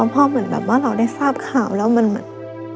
เพราะพอเราได้ทราบข่าวแล้วมัน